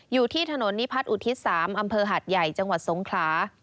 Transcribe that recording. อยู่ที่ถนนนิพัฒนอุทิศ๓อำเภอหาดใหญ่จังหวัดสงขลา